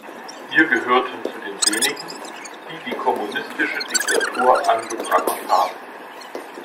Wir gehörten zu den wenigen, die die kommunistische Diktatur angeprangert haben.